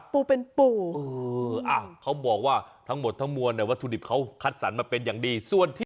ปูเป็นปูเขาบอกว่าทั้งหมดทั้งมวลรวถุดิบเขาคัดสรรมาเป็นอย่างดี